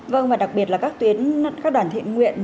vâng và đặc biệt là các tuyến các đoàn thiện nguyện